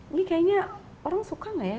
ini kayaknya orang suka gak ya